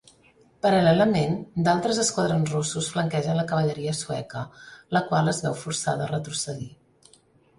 Paral·lelament d'altres esquadrons russos flanquegen la cavalleria sueca, la qual es veu forçada a retrocedir.